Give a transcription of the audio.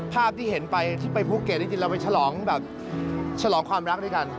ภาพที่เห็นไปที่ไปภูเก็ตจริงเราไปฉลองแบบฉลองความรักด้วยกัน